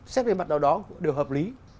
xét về mặt nào đó đều hợp lý